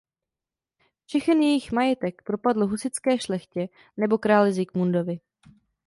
Všechen jejich majetek propadl husitské šlechtě nebo králi Zikmundovi.